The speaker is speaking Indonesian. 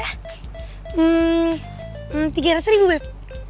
hmm tiga ratus ribu bep